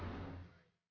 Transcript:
mas mas udah mas